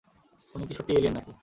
তুমি কী সত্যিই এলিয়েন নাকি?